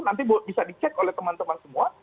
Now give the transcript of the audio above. nanti bisa dicek oleh teman teman semua